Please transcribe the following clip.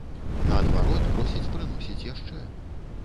Наадварот, просяць прыносіць яшчэ!